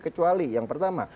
kecuali yang pertama